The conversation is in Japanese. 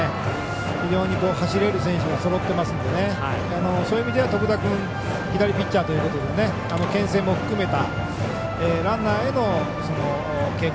非常に走れる選手がそろってますのでそういう意味では徳田君左ピッチャーということでけん制も含めたランナーへの警戒。